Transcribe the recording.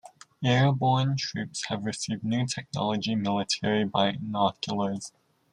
Airborne Troops have received new technology military binoculars.